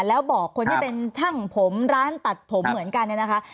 แล้วบอกคนที่เป็นช่างผมร้านตัดผมเหมือนกันเนี่ยนะคะ